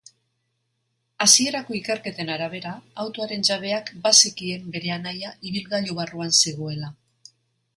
Hasierako ikerketen arabera, autoaren jabeak bazekien bere anaia ibilgailu barruan zegoela.